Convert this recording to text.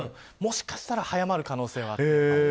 もしかしたら早まる可能性は出てきます。